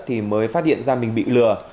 thì mới phát hiện ra mình bị lừa